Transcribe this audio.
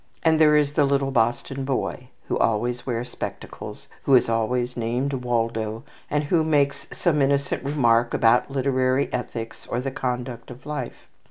And there is the little Boston boy who always wears spectacles, who is always named Waldo, and who makes some innocent remark about "Literary Ethics," or the "Conduct of Life."